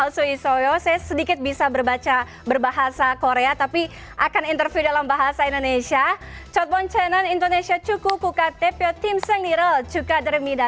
saya sedikit bisa berbahasa korea tapi akan interview dalam bahasa indonesia